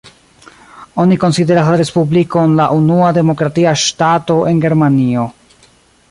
Oni konsideras la respublikon la unua demokratia ŝtato en Germanio.